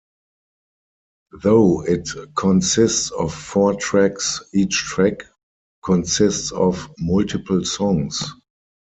Though it consists of four tracks, each track consists of multiple songs.